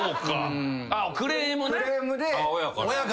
クレームね。